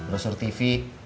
lo suruh tv